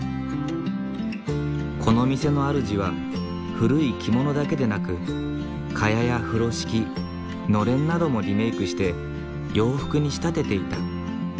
この店の主は古い着物だけでなく蚊帳や風呂敷のれんなどもリメークして洋服に仕立てていた。